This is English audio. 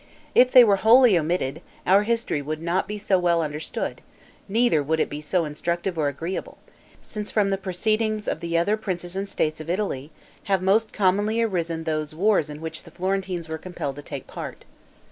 If they were wholly omitted, our history would not be so well understood, neither would it be so instructive or agreeable; since from the proceedings of the other princes and states of Italy, have most commonly arisen those wars in which the Florentines were compelled to take part.